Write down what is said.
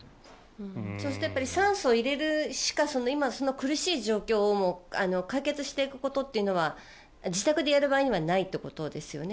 そうすると酸素を入れるしか今、苦しい状況を解決していくことっていうのは自宅でやる場合にはないということですよね。